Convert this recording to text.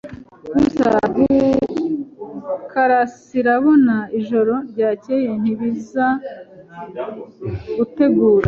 Gusa gukarasirabora ijoro ryakeye ntibizagutegura.